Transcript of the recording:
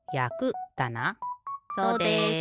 そうです。